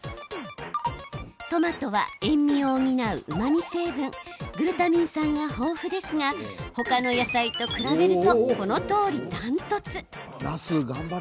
トマトは塩みを補う、うまみ成分グルタミン酸が豊富ですが他の野菜と比べるとこのとおり断トツ。